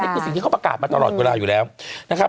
คือสิ่งที่เขาประกาศมาตลอดเวลาอยู่แล้วนะครับ